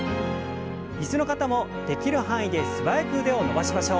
椅子の方もできる範囲で素早く腕を伸ばしましょう。